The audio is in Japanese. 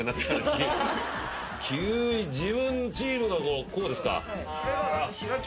急に自分チームがこうですか？